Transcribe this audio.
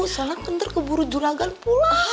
selalu kenter keburu juragan pula